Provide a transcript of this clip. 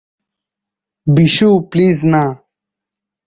Bishu, please না।